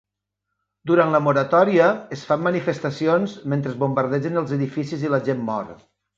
Durant la moratòria, es fan manifestacions mentre es bombardegen els edificis i la gent mor.